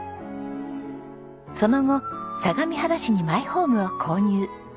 その後相模原市にマイホームを購入。